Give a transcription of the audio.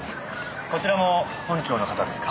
こちらも本庁の方ですか？